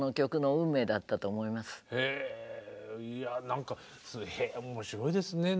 へぇいや何か面白いですね。